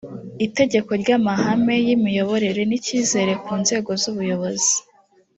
itegeko ry’amahame y’imiyoborere n’icyizere ku nzego z’ubuyobozi